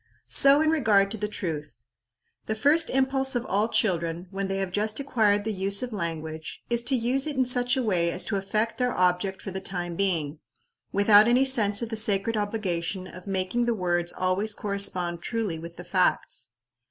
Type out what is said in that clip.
So in regard to truth. The first impulse of all children, when they have just acquired the use of language, is to use it in such a way as to effect their object for the time being, without any sense of the sacred obligation of making the words always correspond truly with the facts.